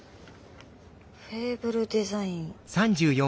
フェーブルデザイン。